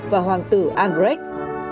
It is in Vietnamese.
và hoàng tử albrecht